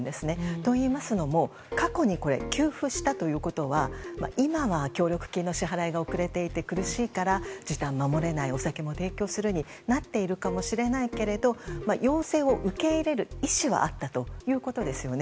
といいますのも過去に給付したということは今は協力金の支払いが遅れていて苦しいから時短を守れないお酒も提供するになっているかもしれないけど要請を受け入れる意思はあったということですよね。